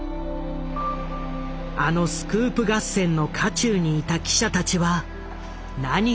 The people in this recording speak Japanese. あのスクープ合戦の渦中にいた記者たちは何を思うのか。